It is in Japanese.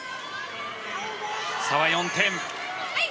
差は４点。